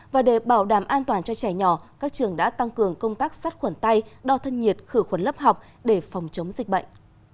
và để bảo đảm an toàn cho trẻ nhỏ các trường đã tăng cường công tác sát khuẩn tay đo thân nhiệt khử khuẩn lớp học để phòng chống dịch bệnh